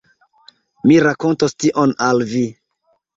Mi rakontos tion al vi.